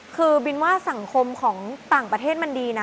คือบินว่าสังคมของต่างประเทศมันดีนะ